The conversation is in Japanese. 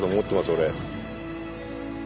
俺。